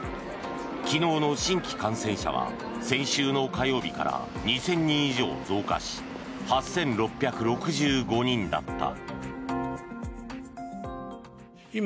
昨日の新規感染者は先週の火曜日から２０００人以上増加し８６６５人だった。